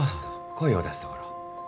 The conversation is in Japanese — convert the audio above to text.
声を出すところ。